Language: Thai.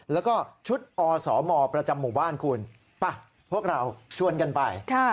แล้วก็ชุดอสมประจำหมู่บ้านคุณป่ะพวกเราชวนกันไป